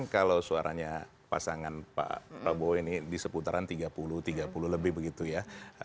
kalau suaranya pasangan pak prabowo ini di seputaran tiga puluh tiga puluh lebih begitu ya